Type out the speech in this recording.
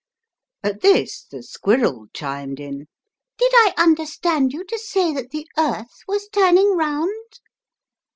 At this the squirrel chimed in: "Did I understand you to say that the earth was turning round?"